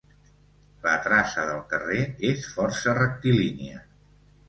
La traça del carrer és força rectilínia.